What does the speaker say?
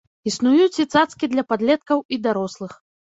Існуюць і цацкі для падлеткаў і дарослых.